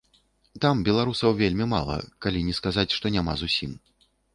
Там беларусаў вельмі мала, калі не сказаць, што няма зусім.